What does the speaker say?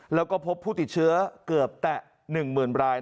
แล้วก็พบผู้ติดเชื้อเกือบแต่๑๐๐๐ราย